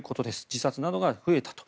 自殺などが増えたと。